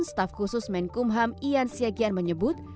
staf khusus menkum ham ian siagian menyebut